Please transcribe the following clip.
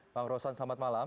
bang rosan selamat malam